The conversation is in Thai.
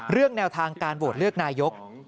เรื่องแนวทางการโหวดเลือกนายก